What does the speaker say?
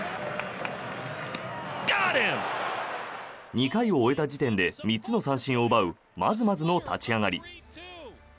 ２回を終えた時点で３つの三振を奪うまずまずの立ち上がり。